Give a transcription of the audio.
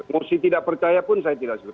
moshi tidak percaya pun saya tidak setuju